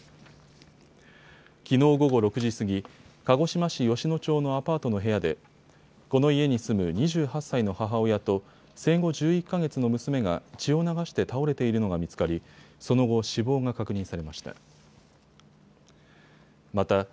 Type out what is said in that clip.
きのう午後６時過ぎ鹿児島市吉野町のアパートの部屋でこの家に住む２８歳の母親と生後１１か月の娘が血を流して倒れているのが見つかりその後、死亡が確認されました。